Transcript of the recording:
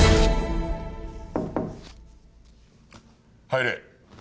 入れ。